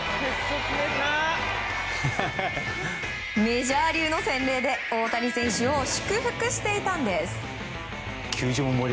メジャー流の洗礼で大谷選手を祝福していたんです。